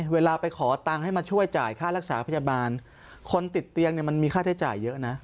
เวลาไปขอตังค์ให้มาช่วยจ่ายค่ารักษาพยาบาลคนติดเตียงเนี่ยมันมีค่าใช้จ่ายเยอะนะ